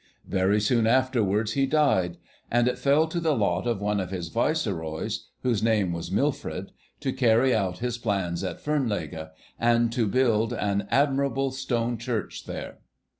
Very soon afterwards he died, and it fell to the lot of one of his Viceroys, whose name was Milfred, to carry out his plans at Fernlege, and to build an 'admirable stone church' there.